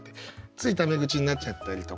ついタメ口になっちゃったりとか。